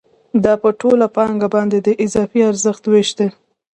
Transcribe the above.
دا په ټوله پانګه باندې د اضافي ارزښت وېش دی